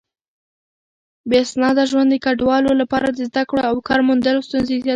بې اسناده ژوند د کډوالو لپاره د زده کړو او کار موندلو ستونزې زياتوي.